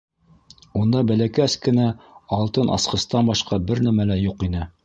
Унда бәләкәс кенә алтын асҡыстан башҡа бер нәмә лә юҡ ине.